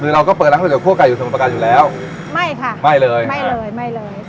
คือเราก็เปิดร้านก๋วคั่วไก่อยู่สมุทรประการอยู่แล้วไม่ค่ะไม่เลยไม่เลยไม่เลย